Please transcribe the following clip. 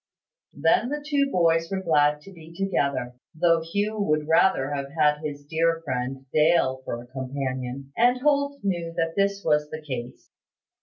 Then the two boys were glad to be together, though Hugh would rather have had his dear friend Dale for a companion; and Holt knew that this was the case.